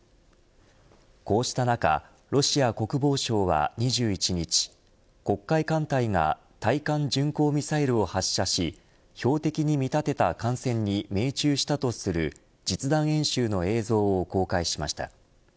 こうした中ロシア国防省は２１日黒海艦隊が対艦巡航ミサイルを発射し標的に見立てた艦船に命中したとする実弾演習の映像を公開しました。